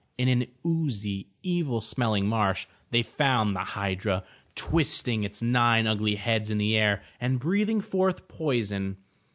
In an oozy, evil smelling marsh, they found the hydra, twisting its nine ugly heads in the air and breathing forth poison.